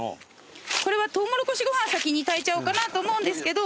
これはとうもろこしご飯先に炊いちゃおうかなと思うんですけど。